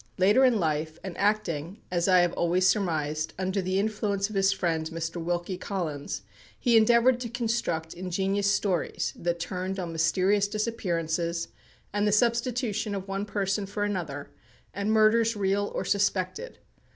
Later in life, and acting, as I have always surmised, under the influence of his friend, Mr. Wilkie Collins, he endeavoured to construct ingenious stories that turned on mysterious disappearances, and the substitution of one person for another, and murders real or suspected.